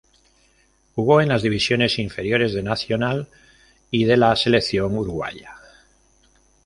Jugó en las divisiones inferiores de Nacional y de la selección uruguaya.